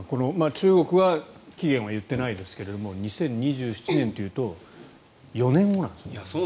中国は期限は言ってないですが２０２７年というと４年後なんですよね。